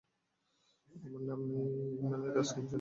আমার নাম Emmanuel Rajkumar junior.